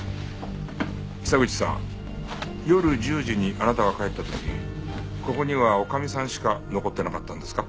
久口さん夜１０時にあなたが帰った時ここには女将さんしか残ってなかったんですか？